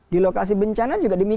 di lokasi bencana juga demikian